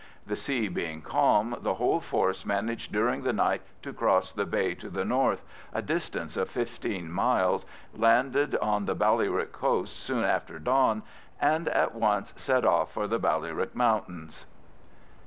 The sea being calm, the whole force managed during the night to cross the bay to the north, a distance of fifteen miles, landed on the Ballyrick coast soon after dawn, and at once set off for the Ballyrick Mountains.